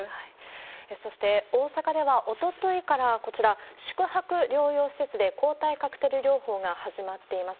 そして、大阪ではおとといからこちら、宿泊療養施設で抗体カクテル療法が始まっています。